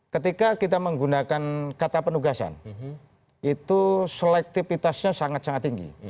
ketika kita menggunakan kata penugasan itu selektifitasnya sangat sangat tinggi